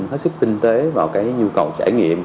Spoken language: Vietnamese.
hết sức tinh tế vào nhu cầu trải nghiệm